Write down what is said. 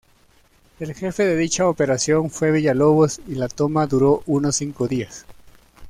El jefe de dicha operación fue Villalobos y la toma duró unos cinco días.